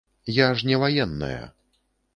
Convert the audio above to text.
Я ж не ваенная.